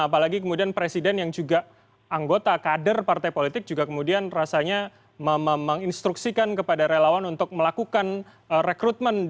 apalagi kemudian presiden yang juga anggota kader partai politik juga kemudian rasanya menginstruksikan kepada relawan untuk melakukan rekrutmen